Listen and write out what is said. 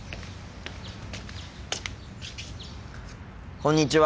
こんにちは。